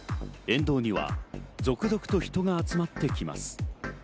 沿道には続々と人が集まってきます。